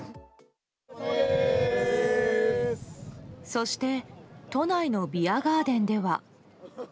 そして都内のビアガーデンでは。